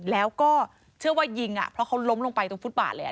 แล้วก็เชื่อว่ายิงเพราะเขาล้มลงไปตรงฟุตบาทเลย